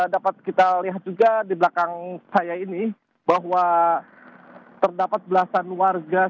dapat kita lihat juga di belakang saya ini bahwa terdapat belasan warga